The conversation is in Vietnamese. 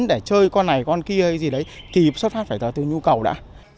để chơi con này con kia hay gì đấy thì xuất phát phải là từ nhu cầu đã